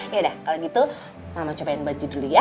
yaudah kalau gitu mama cobain baju dulu ya